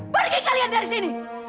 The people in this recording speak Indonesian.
pergi kalian dari sini